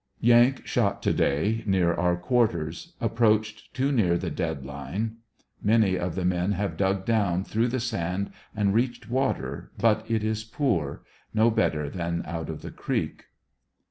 Yank shot to day near our quarters. Approached too near the dead line. Many of the men have dug down through the sand and reached water, but it is poor; no better than out of the creek.